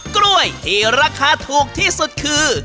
กล้วยที่ราคาถูกที่สุดคือ